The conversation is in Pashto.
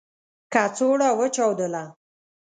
کڅوړه و چاودله .